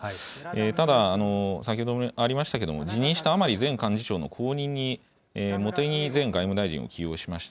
ただ先ほどもありましたけれども、辞任した甘利前幹事長の後任に、茂木前外務大臣を起用しました。